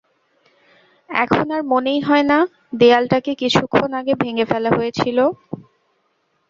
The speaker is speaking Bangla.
এখন আর মনেই হয় না দেয়ালটাকে কিছুক্ষণ আগে ভেঙে ফেলা হয়েছিল।